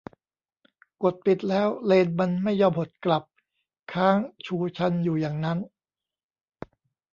กดปิดแล้วเลนส์มันไม่ยอมหดกลับ ค้างชูชันอยู่อย่างนั้น